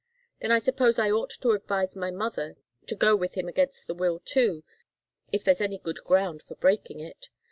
Then I suppose I ought to advise my mother to go with him against the will, too, if there's any good ground for breaking it.